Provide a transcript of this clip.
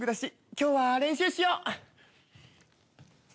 今日は練習しよう。